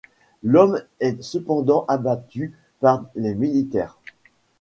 L’homme est cependant abattu par les militaires.